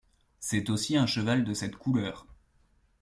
C'est aussi un cheval de cette couleur.